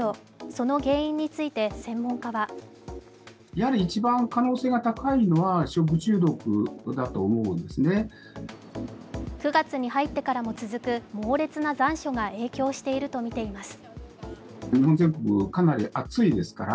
その原因について専門家は９月に入ってからも続く猛烈な残暑が影響しているといいます。